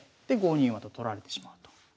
で５二馬と取られてしまうと。